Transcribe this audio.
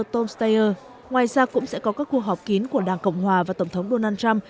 tom steyer ngoài ra cũng sẽ có các cuộc họp kín của đảng cộng hòa và tổng thống donald trump